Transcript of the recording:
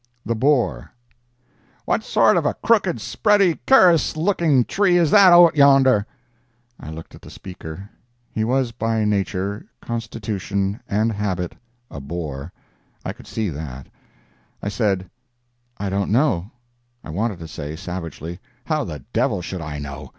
THE BORE "What sort of a crooked, spready, cur'us looking tree is that out yonder?" I looked at the speaker. He was by nature, constitution and habit a Bore—I could see that. I said: "I don't know. "I wanted to say, savagely, "How the devil should I know?